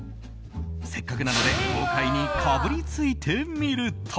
せっかくなので豪快にかぶりついてみると。